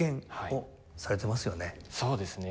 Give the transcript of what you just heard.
そうですね。